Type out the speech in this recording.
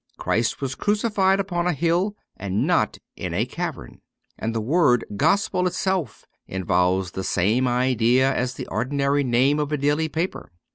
Christ was crucified upon a hill, and not in a cavern, and the word Gospel itself involves the same idea as the ordinary name of a daily paper.